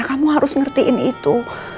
kamu harus ngertiin itu